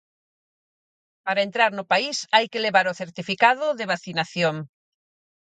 Para entrar no país hai que levar o certificado de vacinación.